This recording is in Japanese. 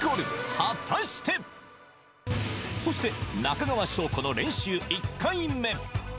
そして中川翔子の練習１回目